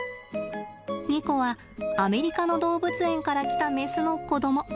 ニコはアメリカの動物園から来たメスの子ども。